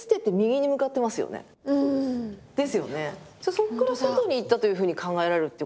そこから外に行ったというふうに考えられるってこと。